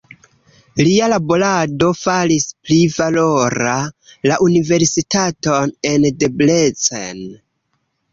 Lia laborado faris pli valora la universitaton en Debrecen.